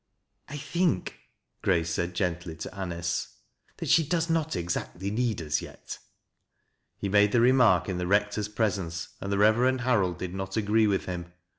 " I think," Grace said gently to Anice, " that she doC« aot exactly need us yet." He made the remark in the rectoi 's presence and the Reveieni Harold did not agree with him.